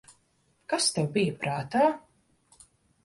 Kas tev bija prātā?